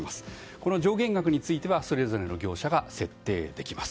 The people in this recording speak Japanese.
この上限額についてはそれぞれの業者が設定できます。